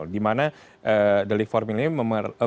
dimana delik formil ini